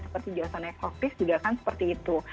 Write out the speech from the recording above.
seperti jocelyn exotis juga kan seperti itu